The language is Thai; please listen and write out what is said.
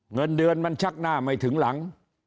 เงินเดือนมันชักหน้าไม่ถึงหลัง